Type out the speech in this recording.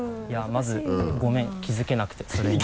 まずごめん気づけなくてそれに。